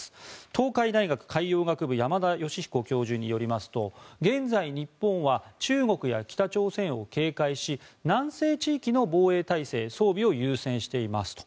東海大学海洋学部の山田吉彦教授によりますと現在日本は中国や北朝鮮を警戒し南西地域の防衛態勢装備を優先していますと。